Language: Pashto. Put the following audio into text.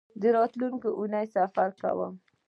راتلونکۍ اونۍ سفر کوم